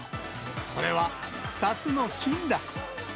それは２つの金だ。